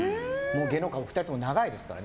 芸能界お二人とも長いですから。